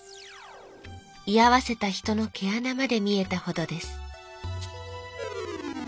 い合わせた人の毛穴まで見えたほどです」。